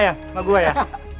jangan jangan lu mau minta jatah ya